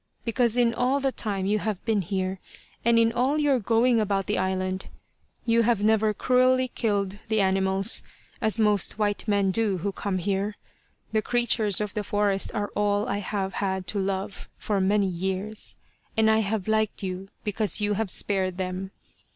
Because in all the time you have been here, and in all your going about the island, you have never cruelly killed the animals, as most white men do who come here. The creatures of the forest are all I have had to love, for many years, and I have liked you because you have spared them.